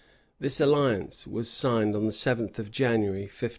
This alliance was signed on the seventh of January, 1578.